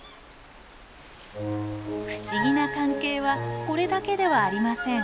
不思議な関係はこれだけではありません。